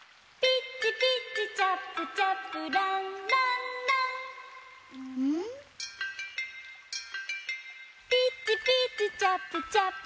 「ピッチピッチチャップチャップ」